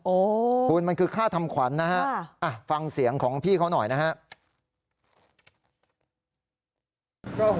โอ้โหคุณมันคือค่าทำขวัญนะฮะฟังเสียงของพี่เขาหน่อยนะครับ